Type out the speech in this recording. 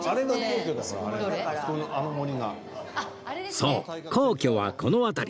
そう皇居はこの辺り